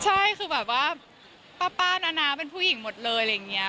ใช่คือแบบว่าป้าป้านอานะเป็นผู้หญิงหมดเลย